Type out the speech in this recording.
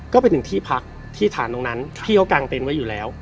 ก็ไปถึงที่พักที่ฐานตรงนั้นที่เขากางเต็นต์ไว้อยู่แล้ว